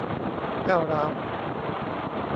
ก้าวร้าว